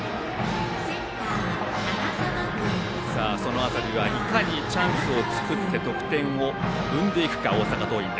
その辺りはいかにチャンスを作って得点を生んでいくか、大阪桐蔭。